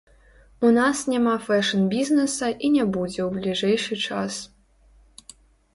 У нас няма фэшн-бізнэса і не будзе ў бліжэйшы час.